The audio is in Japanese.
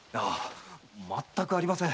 全くありません。